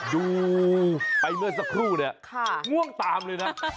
ดูไปเมื่อสักครู่เนี่ยง่วงตามเลยนะ